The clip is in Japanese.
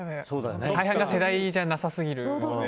大半が世代じゃなさすぎる。